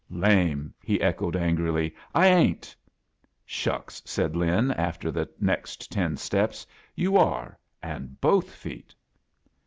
"Lamel" he echoed, angrily. "I ain't." *'Shocks!" said Lin, after the next ten steps. "You are, and both feet."